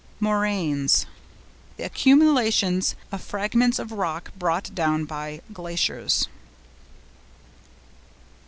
MORAINES.—The accumulations of fragments of rock brought down by glaciers.